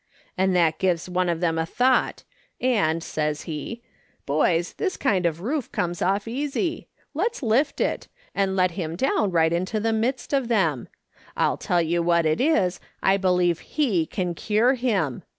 And that gives one of them a thought, and, says he : Boys, this kind of roof comes off easy ; let's lift it, and let him down right into the midst of them. I'll tell you what it is, I believe he can cure him.